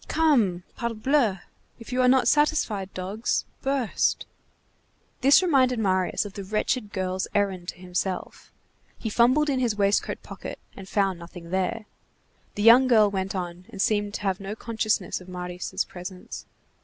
Come! Parbleu! if you are not satisfied, dogs, burst!" This reminded Marius of the wretched girl's errand to himself. He fumbled in his waistcoat pocket, and found nothing there. The young girl went on, and seemed to have no consciousness of Marius' presence.